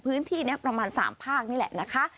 พื้นที่นี้ประมาณ๓ภาคนี่แหละนะคะ